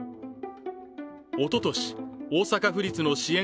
おととし、大阪府立の支援